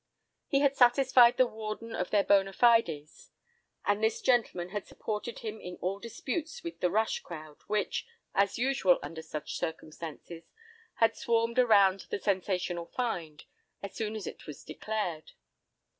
He had satisfied the Warden of their bona fides, and this gentleman had supported him in all disputes with the "rush crowd" which, as usual under such circumstances, had swarmed around the sensational find, as soon as it was declared.